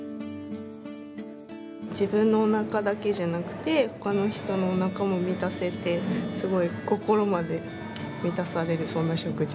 自分のお腹だけじゃなくてほかの人のお腹も満たせてすごい心まで満たされるそんな食事です。